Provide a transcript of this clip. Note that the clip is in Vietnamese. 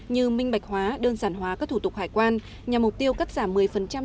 như minh bạch hóa đơn giản hóa các thủ tục hải quan nhằm mục tiêu cắt giảm một mươi